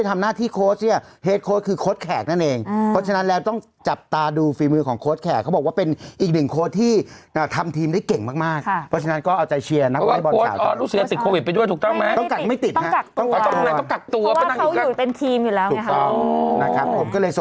มาทุกครั้งก็เรตติ้งพวกแม่คนต้องเชียร์